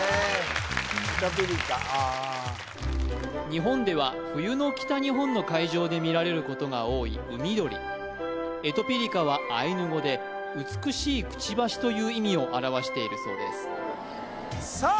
日本では冬の北日本の海上で見られることが多い海鳥エトピリカはアイヌ語で美しいくちばしという意味を表しているそうですさあ